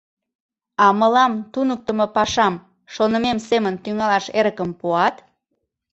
— А мылам туныктымо пашам шонымем семын тӱҥалаш эрыкым пуат?..